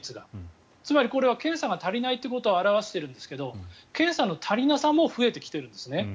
これは検査が足りないということを表しているんですが検査の足りなさも増えてきているんですね。